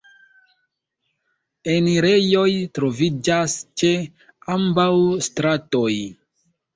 Enirejoj troviĝas ĉe ambaŭ stratoj.